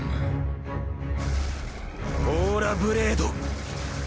オーラブレード。